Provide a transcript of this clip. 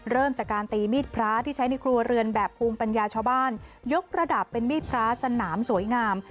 เริ่มจากการตีมีดพระที่ใช้ในครัวเรือนแบบภูมิปัญญาชาวบ้านยกระดับเป็นมีดพระสนามสวยงาม